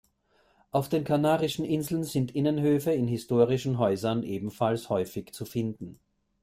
Auf den Kanarischen Inseln sind Innenhöfe in historischen Häusern ebenfalls häufig zu finden.